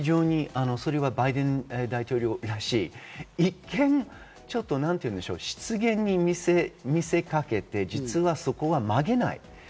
バイデン大統領らしい、一見、失言に見せかけて実はそこは曲げない。